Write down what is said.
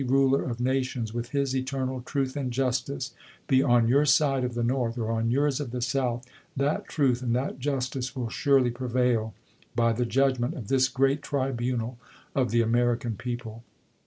Ruler of nations, with his eternal truth and justice, be on your side of the North, or on yours of the South, that truth and that justice will surely pre ' vail by the judgment of this great tribunal of the American people."